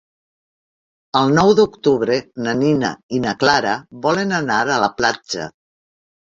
El nou d'octubre na Nina i na Clara volen anar a la platja.